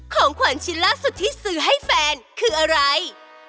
ของขวัญชิ้นล่าสุดที่ซื้อให้แฟนคืออะไร